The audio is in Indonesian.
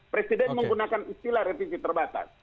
presiden menggunakan istilah revisi terbatas